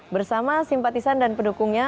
bersama simpatisan dan pendukungnya